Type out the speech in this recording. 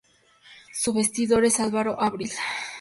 Su vestidor es Álvaro Abril.